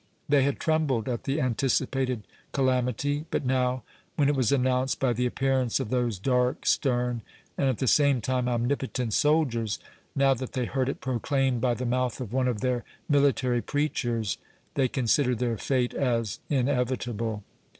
They had trembled at the anticipated calamity; but now, when it was announced by the appearance of those dark, stern, and at the same time omnipotent soldiers—now that they heard it proclaimed by the mouth of one of their military preachers—they considered their fate as inevitable.